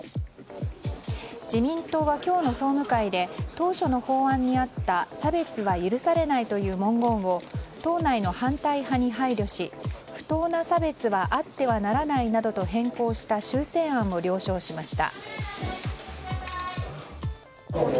自民党は今日の総務会で当初の法案にあった差別は許されないという文言を党内の反対派に配慮し不当な差別はあってはならないなどと変更した修正案を了承しました。